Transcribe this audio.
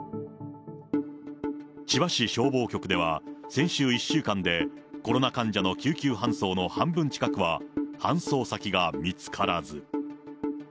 千葉市消防局では、先週１週間でコロナ患者の救急搬送の半分近くは、搬送先が見つからず。